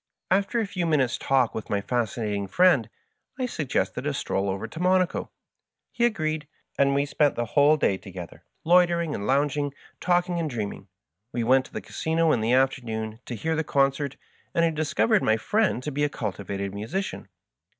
After a few minutes' talk with my Fascinating Friend, I suggested a stroll over to Monaco. He agreed, and we spent the whole day together, loitering and lounging, talking and dream ing. We went to the Casino in the afternoon to hear the concert, and I discovered my friend to be a culti vated musician.